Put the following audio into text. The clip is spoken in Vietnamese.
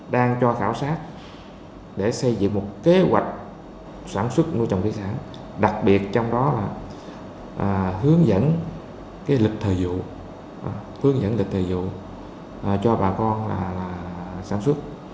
đang cho khảo sát để xây dựng một kế hoạch sản xuất nuôi trồng thủy sản đặc biệt trong đó là hướng dẫn lịch thời vụ cho bà con sản xuất